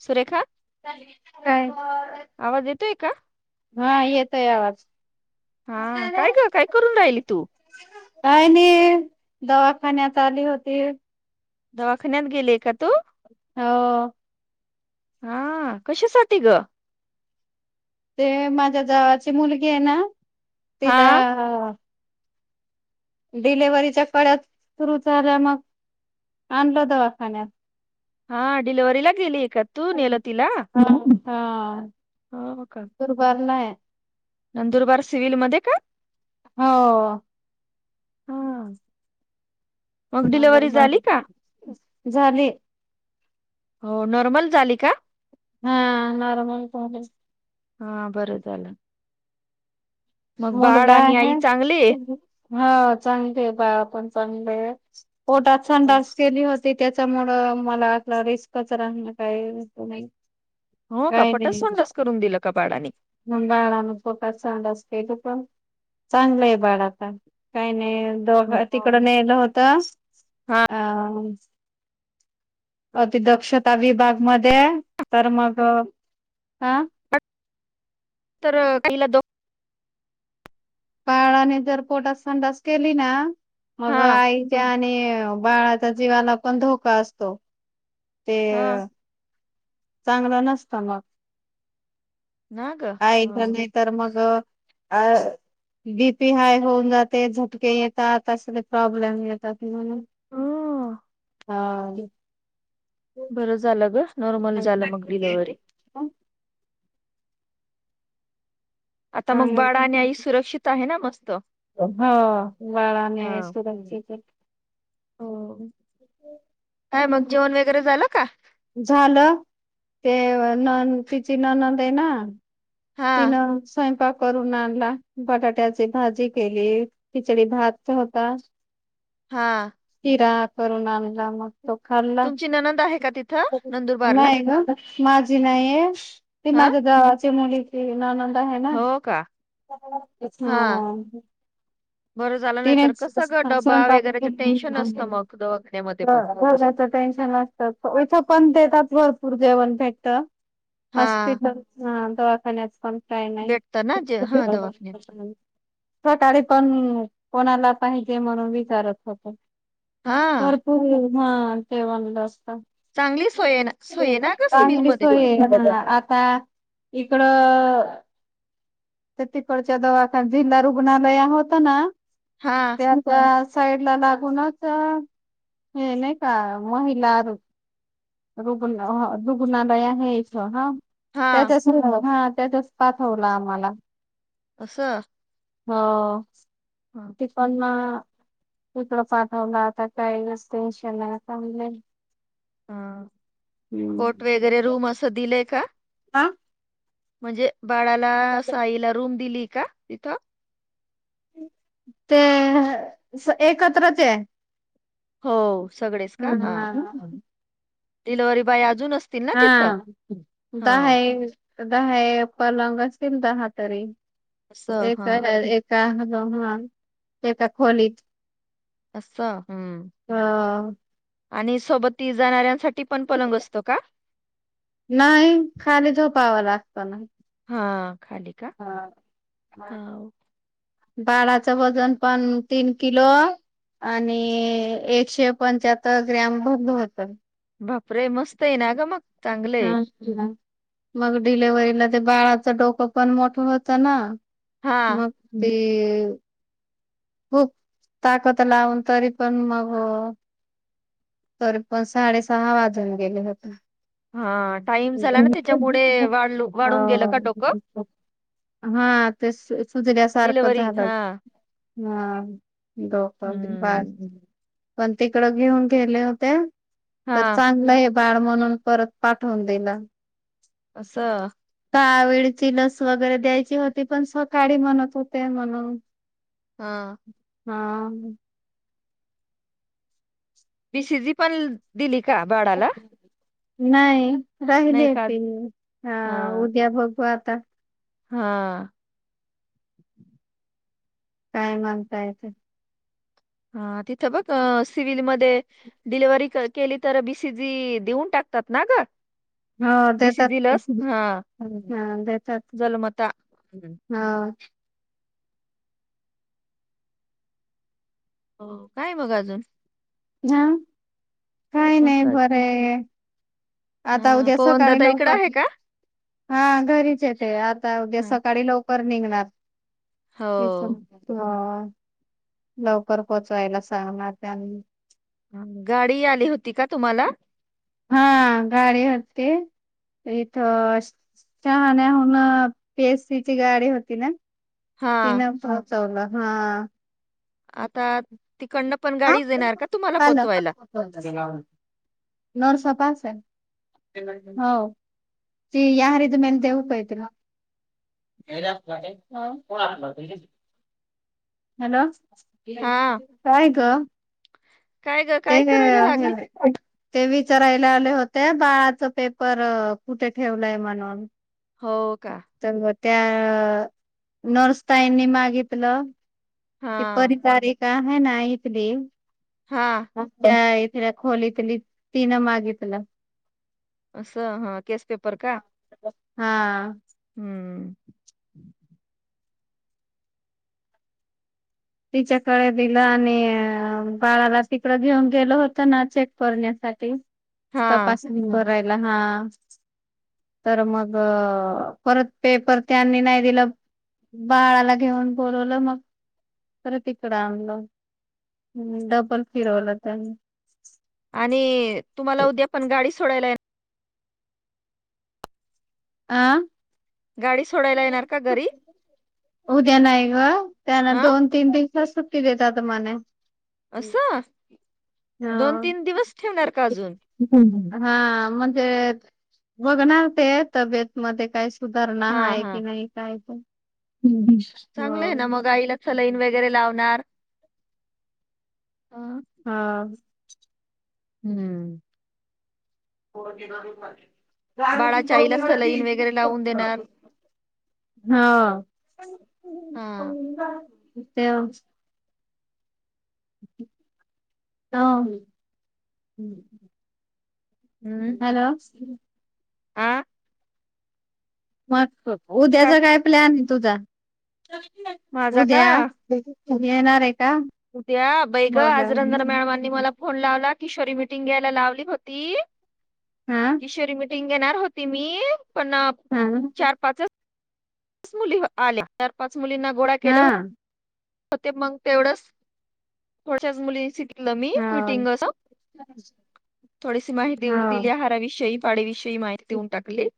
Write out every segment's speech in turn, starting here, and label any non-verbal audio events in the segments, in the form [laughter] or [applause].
सुरेखा काय आवाज येतोय का? हा येतोय आवाज हा काय ग काय करून राहिली तू काय नाही दवाखान्यात आली होती दवाखान्यात गेले का तू होा हा कशासाठी ग ते माझ्या जावाची मुलगी आहे ना हा तिला डिलेव्हरीच्या कळ्या सुरू झाल्या मग आणलो दवाखान्यात हा डिलवरीला गेली का तू नेल तला गरबार नाय नंदुरबार सिव्हलमध्येध्ये का हो हा मग डिलवरी मंगळवार झाली का झाली हो नॉर्मल झाली का हा नरम पोचल हा बरं झालं मग बाळ मुलगा आणि आहे आई चांगले? हा चांगल आहे बाळ पण चांगले हो हो न च केली होती ते त्याच्यामुळं मला आपला रिस्कच राहण काही नाही हो का काही नाही पटसवंडच करून दिलं का बाळाने? बाळाान फोत सांड असत ते तर पण चांगलं आहे बाळ आता काही नाही. हो दोघ हो. तिकड नेलं होत अ अति दक्षता विभाग म तर मग आ तर काहीला दो पाळाने जर पोटात संडास केली ना मग हा आईच्या आणि बाळाच्या जीवाला पण धोका असतो ते हा चांगला नसता मग ना ग. आच नाही तर मग अ बीपी हाय होऊन जाते झटके येतात असले प्रॉब्लेम येतात म्हणून ह हा बरं झालं ग नॉर्मल झालं ग डिलिव्हरी. हो आता मग बाळा आणि आई सुरक्षित आहे ना मस्त? हो बाळाने हा सुरक्षित हो का मग जेवण वगैरे झालं का? झालं ते नन तिची नणंद आहे ना हा तीन स्वयंपाक करून आणला बटाट्याची भाजी केली पिचडी भात होता. हा शिरा करून आणला मग तो खाल्ला तुमची ननंद आहे का तिथं नंदुरबारला? नाही ग माझी नाहीये ते हा माझ्या चि मुली की ननंद है ना हो का? हा बरं झालं नाही तर तिनेच कसं ग डबा स्वयंपाक वगैरेच टेन्शन असतं मग दवाखान्यामध्ये पण. टेन्शन असतात हिते पण भरपूर जेवण भेटत हा हॉस्पिटल ह दवाखान्याच पण काय नाही भेटतं ना जे हा दवाखान्यात पण. तरी पण कोणाला पाहिजे म्हणून विचारत होतो. हा भरपूर हा ते म्हणलंस चांगली सोय आहे ना सोय आहे ना ग सिव्हिल मध्ये पण. [unintelligible] अ तर तीकडच्या दवाखान्या जिल्हा रुग्णालय होत ना हा त्याचा साईड ला लागूनच हे नाही का महिला आरो रुग् रुग्णालय आहे इथ हा हा त्याच्या जसपात होला आम्हाला. असं हो हा ते पण मग इकडं पाठवलं आता काय जास्त टेन्शन नई आता म्हणे हा कोट वगैरे रूम असं दिलय का? हा म्हणजे बाळाला साईला रूम दिली का तिथं? ते... स... एकत्रचए. हो सगळेच का... हा... डिलव्हरी बॉय अजून... असतील ना हा तिथं? दहा हो. एक दहा एक पलंग असतील दहा तरी असं एक हां. हाय एका रूम एका खोलीत. असं हं. हा आणि सोबत ती जाणाऱ्यांसाठी पण पलंग असतो का? नाही खाली झोपावं लागतं हा. हा बाळाचं वजन पण तीन किलो आणि एकशे पंचाहत्तर ग्रॅम भरलं होतं. बाप रे! मस्त य ना ग मग चांगलं हा आहे. [unintelligible] मग डिलिव्हरला ते बाळाचं डोकं पण मोठं होतं ना हां, मग डेव खूप ताकत लावून तरी पण मग हो तर पण साडेसहा वाजून गेले होते. हां. टाईम झाला ना त्याच्यामुळे [unintelligible] वाढलू वाढून गेलं का डोकं? हा ते सु सुजल्यासारखं डिलिव्हरी झालंल. हां. हा डॉक्टर डी बास हं. दिल पण तिकडं घेऊन गेले होते. तर हां. चांगलंय बाळ म्हणून परत पाठवून दिलं. असं कावेळची लस वगैरे द्यायची होती. पण सकाडी म्हणत होते म्हणून हा हा. बी सी जी पण दिली का बाडाला नाही राहिलीय ती हा उद्या बघू आता हा काय म्हणतायत हा तिथं बघ अ सिव्हिलमधे डिलिव्हरी कर केली तर बी सी जी देऊन टाकतात ना ग हा देतात बीसीजी लस हा [unintelligible] हा देतात. जलमता हम्म. हा. हो काय मग अजून हा काय नाय बरंय आता हा उद्या पवन सकाळी दादा इकडं लवकर आहे का हा घरीच ये ते आता उद्या हा. सकाळी लव कर निघणार हो [unintelligible] हा लवकर पोहोचवायला सांगणार त्यांनी गाडी आली होती का तुम्हाला? हा गाडी होती. इथं चहाण्याहून पी एस सी ची गाडी होती ना. हा तिन पोहोचवलं हा. आता तिकडनं पण हा गाडीच येणार का तुम्हाला काय झालं पोचवायला [unintelligible] नवसाप असलं. हो ती [unintelligible] देवू काय तिला हॅलो हा काय गं काय ग ते काय करायला लागली ग ते विचारायला आल होते बाळाच पेपर कुठे ठेवलाय म्हणून हो का तर त्या नर्स तााईनी मागितलं की हा परी तारीख का हा नाहीत देव हा त्या इथल्या खोलीतली तीन मागितलं. असं हा केस पेपर का? हा हूं तिच्याकड दिलं आणि अ बाळाला तिकड घेऊन गेलो होतो ना चेक करण्या साठी हा तपासणी करायला. हा तर मग परत पेपर त्यांनी नाय दिलं. बाळाला घेऊन बोलवलं मग परत इकडं आणल हम् डबल फिरवलं त्यांनी आणि तुम्हाला उद्या पण गाडी सोडायला ये आ? गाडी सोडायला येणार का घरी? उद्या नाही ग. त्यांना अ दोन तीन दिव का सुट्टी देेतात मने. असं हा दोन तीन दिवस ठेवणार का ह्. अजून? हा म्हणजे बघणार ते तब्येत मध्ये काय सुधारणा हा हाय हा कि नाही काय ते चांगलं आहे ना हो. मग आईला सलाईन वगैरे लावणार हं. हा [unintelligible] हम्म. [unintelligible] हो. बाळाच्या आईला सलाईन वगैरे लावून देणार. हा. ते [unintelligible] हम्म. हॅलो. आ मग उद्याचा काय प्लॅन आहे तुझा? माझा का? उद्या उद्या येणार आहे? का उद्या बाई हा आज रंजना मॅडमांनी मला फोन लावला. किशोरी मिटिंग घ्यायला लावली होती. किशोरी मिटिंग घेणार होती मी. पण हा चार पाचच पाच मुली आली चार पाच मुलींना गोळा हा केल हो ते मग तेवढंच [unintelligible] मी हा मिटिंग थोडीशी माहिती हा हो हाराविषयी, पाडीविषयी माहिती हो देऊन टाकली.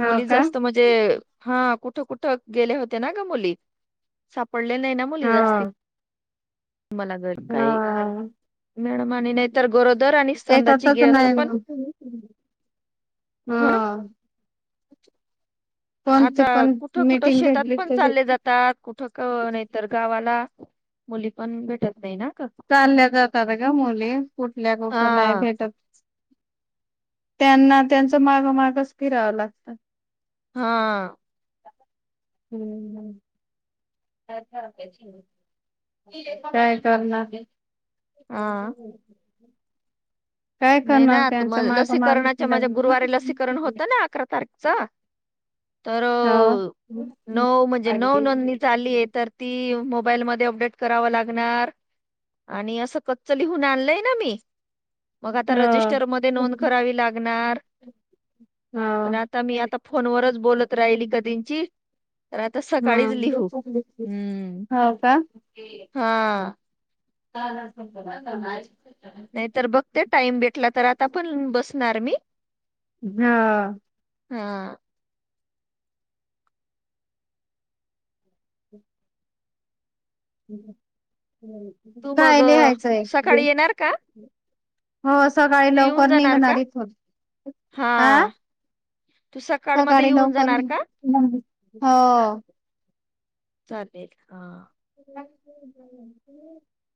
हो मुली का जास्त म्हणजे हा कुठं कुठं गेले होते ना ग मुली. सापडले नाही ना मुली हो जास्ती. मला गर काय हो. मॅडम आणि नाहीतर गरो एतातच नाही. हा. [unintelligible] आता कोणती पण कुठं कुठं मीटिंग शेतात घेतली पण तरी चाले जातात. ठक नाही तर गावाला मुली पण भेटत नाही ना. का चालल्या जातात ग मुली कुठल्या कुठं नाही हा भेटत. त्यांना त्यांच मागमागच फिरावं लागत. हा. हम्म हम्. काय करणार? हा [unintelligible] काय नाही ना करणार आ म त्यांच्या माग माग लसीकरणाच्या म्हणजे फिरायला. गुरुवारी लसीकरण होतं ना अकरा तार च तर हो हो हो नऊ म्हणजे नऊ नोंदणी चालीये आहे. तर ती मोबाईलमध्ये अपडेट कराव लागणार आणि असं कच्च लिहून आणलय ना मी. मग आता रजिस्टर मध्ये नोंद करावी लागणार. पण आता मी आता फोनवरच बोलत राहिली कधीची. तर आता सकाळीच हम्म लिहू. हम्म हो हा. हा. नाही तर बघते टाईम भेटला तर आता पण बसणार मी. हा. हा. तू मग काय अ, लिहायचा ये? सकाळी येणार का तू येऊन जाणार का? इथून आ हा. तू सकाळ मध्ये सकाळी येऊन लवकर जाणार निघ का? हो. चालेल हा. [unintelligible]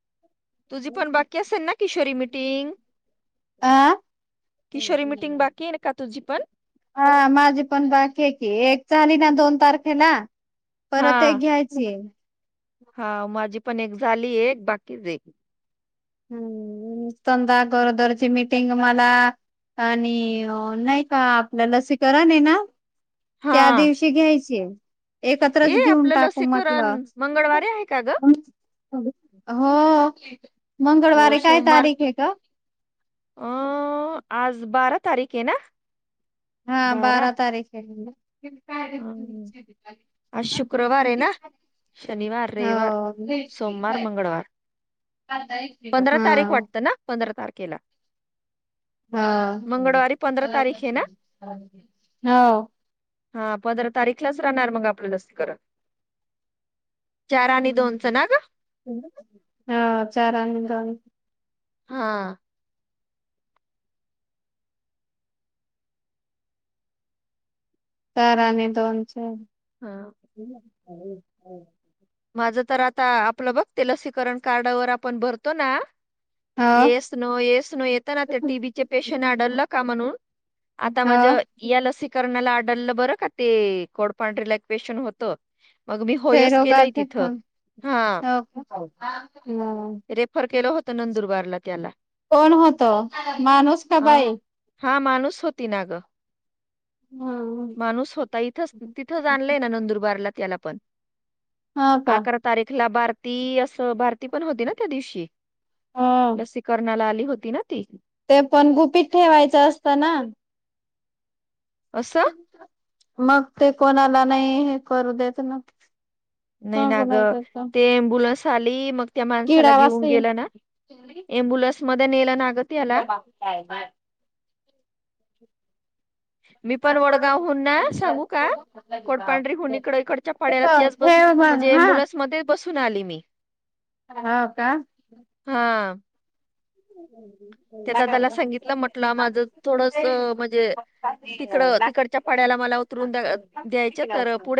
तुझी पण बाकी असेल ना किशोरी मिटिंग. अ किशोरी मिटिंग बाकी आहे का तुझी पण. हा माझी पण बाकी आहे की एक झाली ना दोन तारखेला. हा परत एक घ्यायची. हा माझी पण एक झाली एक बाकीच एक हाय. हम्म संधा गरोदरची मिटिंग मला. आणि नाही का आपल्या लसीकरण हाय ना. हा त्या दिवशी घ्यायची आहे. एकत्रच ए घेऊन आपलं टाकू लसीकरण म्हटलं. मंगळवारी आहे का ग हो. मंगळवारी काय तारीख आहे ग. अ आज बारा तारीख आहे न. हा बारा तारीख हाय. हम आज शुक्रवार आहे ना. शनिवार, रविवार, सोमवार मंगळवार. पंधरा तारीख हा. वाटतं ना पंधरा तारखेला. हा, मंगळवारी पंधरा तारीख आहे ना हो. हा पंधरा तारीखलाच राहणार मग आपलं लसीकरण. चार आणि दोनचं ना ग हम् हा चार जा. हा. चार आणि दोन, चार. हा माझं तर आता आपलं बघते लसीकरण कार्डावर आपण भरतो ना. हो येस नो येस नो येता ना तर टी बी चे पेशन आढळला का म्हणून आता हो माझ या लसीकरणाला. बर काय [inaudible] एक पेशंट होतं. ते केलय रोगाचे तिथं पण हा हो ह रेफर केल होत तिथ. नंदुरबारला त्याला. कोण होतो माणूस का आ, बाई. हा माणूस होती ना ग. माणूस होता इथच तिथं जा आणलंय ना नंदुरबारला. ण हा का अकरा तारीखला बार. ती असं भारती पण होती ना त्या दिवशी हो लसीकरणाला आली होती ना. ती ते पण गुपीत ठेवायचं असत ना. असं. मग ते कोणाला नाही हे करू देत ना. नाही ना ग कोणा ते अम्बुलन्स आली मग त्या माणसाला किडा घेऊन वाचेल गेल ना ॲम्बुलन्स मध्ये नेल ना. ग त्याला बाकी काय बाय. मी पण वडगावहून ना सांगू का कोडपांढरीहून इकड इकडच्या पाड्याला ति बस ठेव मग म्हणजे एम्बुलन्स मध्ये बसून आली मी हा का हम्. ते त्याला सांगितलं म्हटलं माझ थोडस म्हणजे तिकड तिकडच्या पाड्याला मला उतरून दे द्यायच तर पुढे